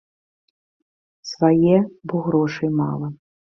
Свае, бо грошай мала.